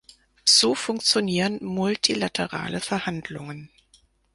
So funktionieren multilaterale Verhandlungen.